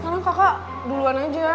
ya kakak duluan aja